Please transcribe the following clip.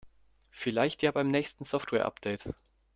Vielleicht ja beim nächsten Softwareupdate.